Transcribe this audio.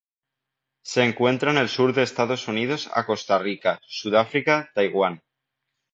Se encuentra en el sur de Estados Unidos a Costa Rica, Sudáfrica, Taiwan.